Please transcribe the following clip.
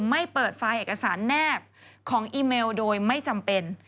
ไม่เปิดไฟล์เอกสารแนบของอีเมลโดยไม่จำเป็น